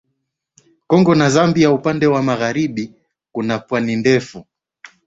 Kongo na Zambia Upande wa magharibi kuna pwani ndefu